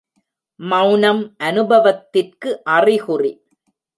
மெளனம் அநுபவத்திற்கு அறிகுறி.